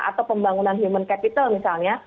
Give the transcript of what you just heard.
atau pembangunan human capital misalnya